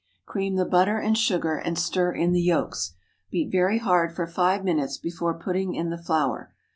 Cream the butter and sugar, and stir in the yolks. Beat very hard for five minutes before putting in the flour.